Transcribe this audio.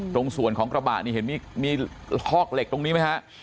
ตรงส่วนของกระบะนี่เห็นมีคอกเหล็กตรงนี้ไหมฮะ